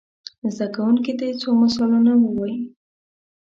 زده کوونکي دې څو مثالونه ووايي.